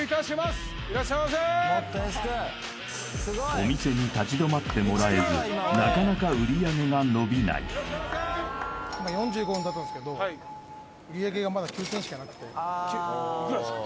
お店に立ち止まってもらえずなかなか売上が伸びない今４５分たったんですけど売上がまだ９０００しかなくていくらですか？